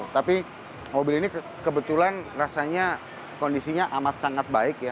tapi mobil ini kebetulan rasanya kondisinya amat sangat baik ya